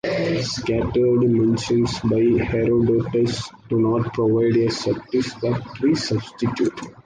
Scattered mentions by Herodotus do not provide a satisfactory substitute.